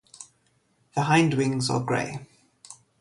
The hindwings are grey.